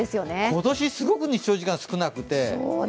今年、すごく日照時間少なくて。